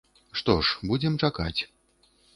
Што ж, будзем чакаць.